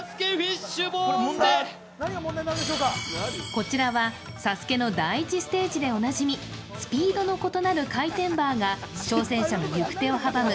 こちらは、「ＳＡＳＵＫＥ」の第１ステージでおなじみ、スピードの異なる回転バーが挑戦者の行く手を阻む